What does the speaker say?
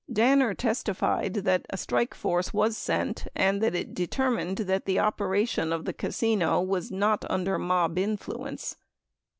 Danner testified that a strike force was sent and that it determined that the operation of the casino was not under "mob" influence.